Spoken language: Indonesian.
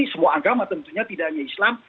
semua agama tentunya tidak hanya islam